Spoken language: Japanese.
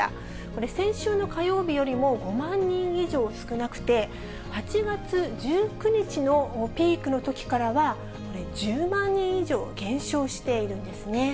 これ、先週の火曜日よりも５万人以上少なくて、８月１９日のピークのときからは、１０万人以上減少しているんですね。